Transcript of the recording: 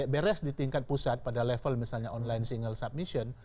beres di tingkat pusat pada level misalnya online single submission